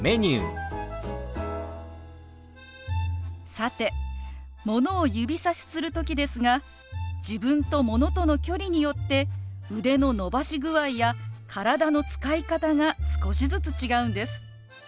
さてものを指さしする時ですが自分とものとの距離によって腕の伸ばし具合や体の使い方が少しずつ違うんです。